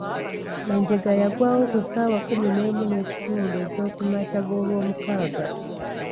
Enjega yagwawo ku ssaawa kkumi n'emu n'ekitundu ez'okumakya g'olwomukaaga.